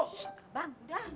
ssst bang udah